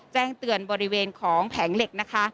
แจ้งเตือนบริเวณของแผงเหล็กนะคะ